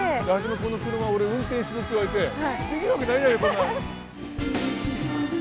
この車俺運転しろって言われてできるわけないじゃないこんな。